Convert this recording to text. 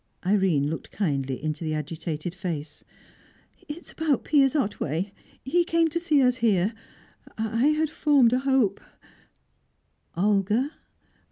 Irene looked kindly into the agitated face. "It's about Piers Otway. He came to see us here. I had formed a hope " "Olga?"